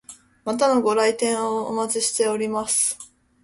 またのご来店をお待ちしております。